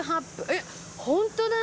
えっホントだ！